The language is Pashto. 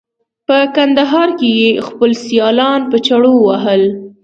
په کندهار کې یې خپل سیالان په چړو وهل.